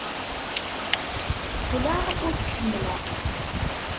Qqleɣ ur k-ḥemmleɣ.